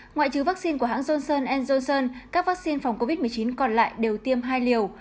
ngoại trừ vaccine của hãng johnson enzon các vaccine phòng covid một mươi chín còn lại đều tiêm hai liều